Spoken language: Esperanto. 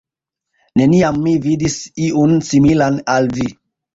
Neniam mi vidis iun, similan al vi.